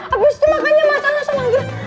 abis itu makannya mas anus menggil